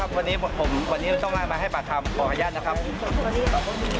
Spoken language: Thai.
ครับวันนี้ต้องมาให้ประคัมขออนุญาตนะครับ